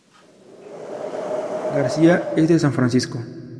Garcia es de San Francisco.